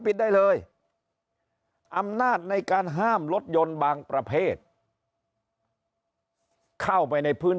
ปิดได้เลยอำนาจในการห้ามรถยนต์บางประเภทเข้าไปในพื้น